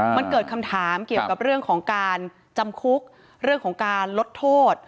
มันเกิดคำถามเกี่ยวกับเรื่องของการจำคุกเรื่องของการลดโทษ